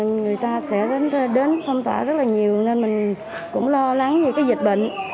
người ta sẽ đến phong tỏa rất là nhiều nên mình cũng lo lắng về cái dịch bệnh